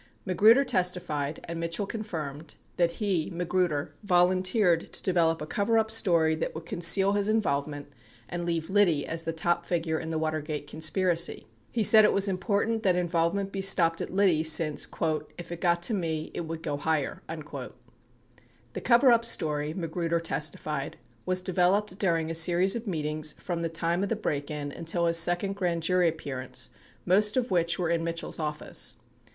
91 Magruder testified, and Mitchell confirmed, that he (Magruder) volunteered to develop a coverup story that would conceal his in volvement and leave Liddy as the top figure in the Watergate con spiracy. 92 He said it was important that involvement be stopped at Liddy, since "if it got to me, it would go higher." 93 The coverup story, Magruder testified, was developed during a series of meetings from the time of the break in until his second grand jury appearance, most of which were in Mitchell's office.